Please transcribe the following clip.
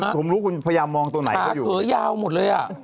ผมรู้คุณพยามมองตัวไหนก็อยู่แล้ว